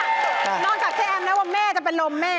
นอกจากเจ๊แอมน์แล้วว่าแม่จะไปลมแม่